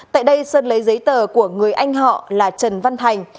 tại đây sơn lấy giấy tờ của người anh họ là trần văn thành